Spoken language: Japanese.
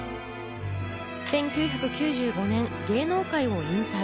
１９９５年、芸能界を引退。